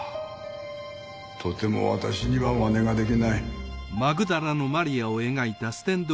とても私には真似ができない。